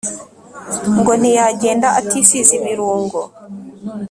ngo ntiyagenda atisize ibirungo